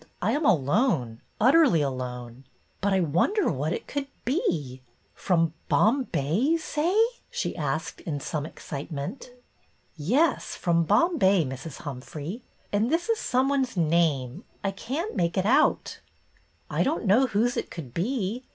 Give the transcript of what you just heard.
I am alone, utterly alone. But I wonder what it could be ; from Bombay, you say ?" she asked in some ex citement. return of the mariner 229 " Yes, from Bombay, Mrs. Humphrey. And this is some one's name — I can't make it out." " I don't know whose it could be.